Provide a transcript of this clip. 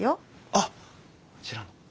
あっあちらの。